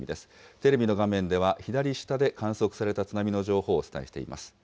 テレビの画面では左下で観測された津波の情報をお伝えしています。